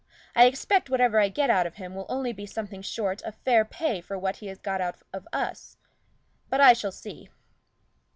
I expect whatever I get out of him will only be something short of fair pay for what he has got out of us. But I shall see."